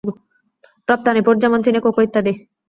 রপ্তানি পোর্ট যেমন চিনি, কোকো ইত্যাদি।